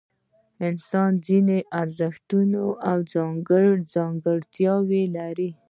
انسان ځینې ارزښتونه او ځانګړتیاوې لري.